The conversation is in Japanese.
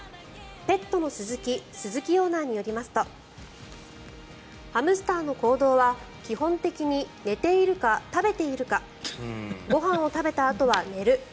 ペットのすずき鈴木オーナーによりますとハムスターの行動は基本的に寝ているか食べているかご飯を食べたあとは寝る。